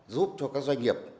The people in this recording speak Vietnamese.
giúp cho các doanh nghiệp